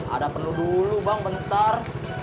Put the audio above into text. ada penuh dulu bang bentar